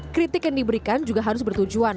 kritik yang diberikan juga harus bertujuan